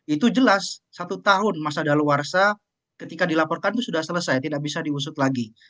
itu jelas satu tahun masa daluarsa ketika dilaporkan itu sudah selesai tidak bisa diusut lagi